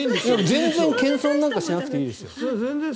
全然謙遜なんかしなくていいですよ。